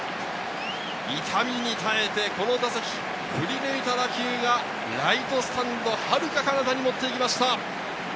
痛みに耐えてこの打席、振り抜いた打球がライトスタンド、はるかかなたに持って行きました。